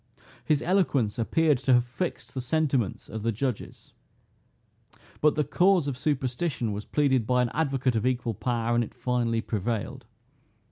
His eloquence appeared to have fixed the sentiments of the judges; but the cause of superstition was pleaded by an advocate of equal power, and it finally prevailed.